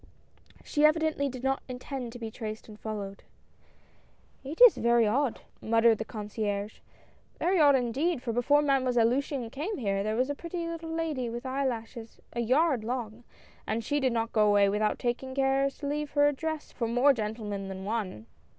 She evidently did not intend to be traced and followed. "It is very odd," muttered the concierge, "very odd indeed, for before Mademoiselle Luciane came nere, there was a pretty little lady with eyelashes a yard long, and she did not go away without taking care to leave her address for more gentlemen than one."